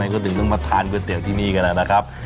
เพราะดิรึงล่องมาทานก๋วยเตี๋ยวที่นี่กันล่ะนะครับ